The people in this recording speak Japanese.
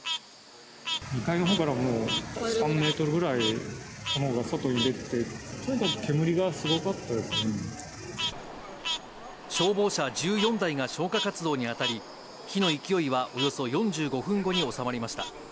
２階のほうから３メートルぐらい炎が外に出てて、消防車１４台が消火活動に当たり、火の勢いはおよそ４５分後に収まりました。